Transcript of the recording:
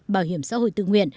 bảo hiểm xã hội tự nguyện